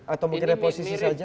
atau mungkin reposisi saja